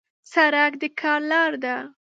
سړک د کار لار ده.